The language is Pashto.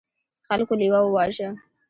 خلکو لیوه وواژه.